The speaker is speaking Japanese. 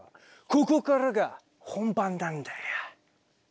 ここからが本番なんだよ。